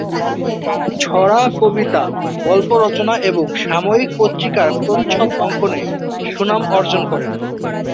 ছড়া-কবিতা-গল্প রচনা এবং সাময়িক পত্রিকার প্রচ্ছদ অঙ্কনে সুনাম অর্জন করেন।